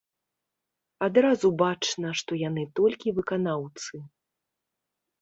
Адразу бачна, што яны толькі выканаўцы.